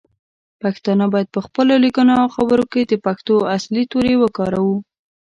پښتانه باید پخپلو لیکنو او خبرو کې د پښتو اصلی تورې وکاروو.